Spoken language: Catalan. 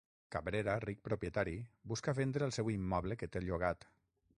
Cabrera, ric propietari, busca vendre el seu immoble que té llogat.